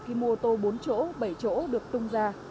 khi mua ô tô bốn chỗ bảy chỗ được tung ra